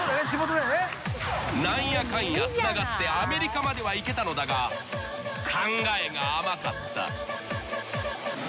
［何やかんやつながってアメリカまでは行けたのだが考えが甘かった］